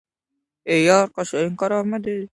Men endi ayolimiz biqinidan nuqiladim.